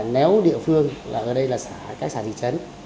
nếu địa phương là ở đây là các xã thị trấn